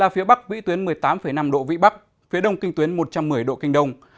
phía đông kinh tuyến một trăm một mươi độ kinh đông